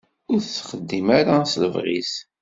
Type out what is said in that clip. Ur t-texdim ara s lebɣi-s.